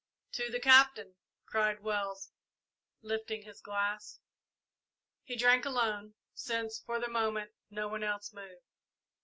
"To the Captain!" cried Wells, lifting his glass. He drank alone, since, for the moment, no one else moved.